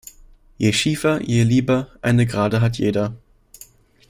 Je schiefer, je lieber, eine Gerade hat jeder.